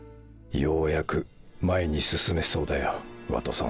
ようやく前に進めそうだよワトソン。